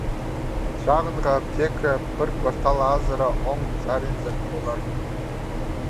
Чағынғы аптека пір квартал азыра оң саринзар полар.